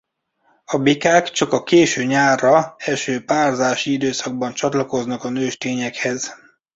A bikák csak a késő nyárra eső párzási időszakban csatlakoznak a nőstényekhez.